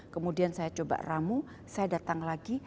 kemudian saya coba ramu saya datang lagi